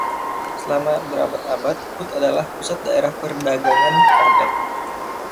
Selama berabad-abad, Kut adalah pusat daerah perdagangan karpet.